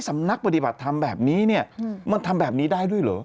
สำนักปฏิบัติธรรมแบบนี้เนี่ยมันทำแบบนี้ได้ด้วยเหรอ